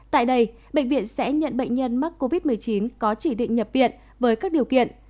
tại đây bệnh viện sẽ nhận bệnh nhân mắc covid một mươi chín có chỉ định nhập viện với các điều kiện